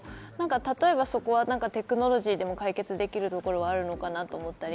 例えばそこはテクノロジーでも解決できるところはあるのかなと思ったり。